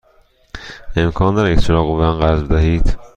امکان دارد یک چراغ قوه به من قرض بدهید؟